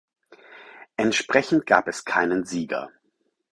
Entsprechend gab es keinen Sieger.